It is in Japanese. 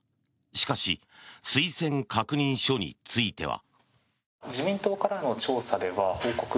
しかし推薦確認書については。